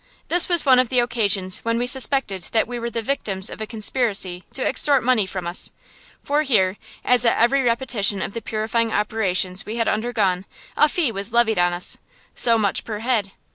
This was one of the occasions when we suspected that we were the victims of a conspiracy to extort money from us; for here, as at every repetition of the purifying operations we had undergone, a fee was levied on us, so much per head.